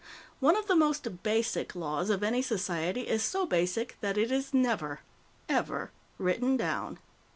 One of the most basic laws of any society is so basic that it is never, ever written down.